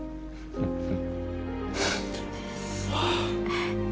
フフフ。